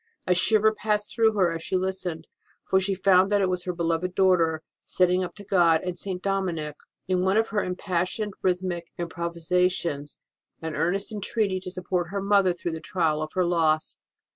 A shiver passed through her as she listened, for she found that it was her beloved daughter sending up to God and St. Dorninic, in one of her impassioned rhythmic improvisations, an earnest entreaty to support her mother through the trial of her loss.